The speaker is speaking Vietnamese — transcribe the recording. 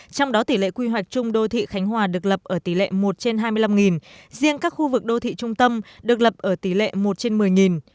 trong đó tỷ lệ quy hoạch chung đô thị khánh hòa được lập ở tỉ lệ một trên hai mươi năm riêng các khu vực đô thị trung tâm được lập ở tỉ lệ một trên một mươi